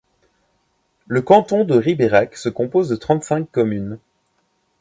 Le canton de Ribérac se compose de trente-cinq communes.